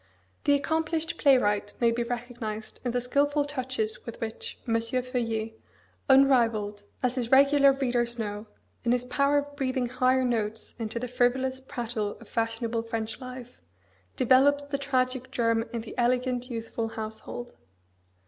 The accomplished playwright may be recognised in the skilful touches with which M. Feuillet, unrivalled, as his regular readers know, in his power of breathing higher notes into the frivolous prattle of fashionable French life, develops the tragic germ in the elegant, youthful household.